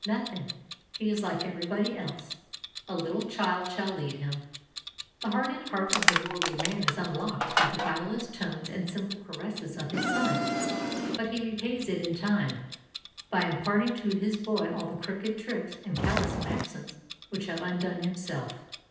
Nothing; he is like every body else; "a little child shall lead him." The hardened heart of the worldly man is unlocked by the guileless tones and simple caresses of his son; but he repays it in time, by imparting to his boy all the crooked tricks and callous maxims which have undone himself.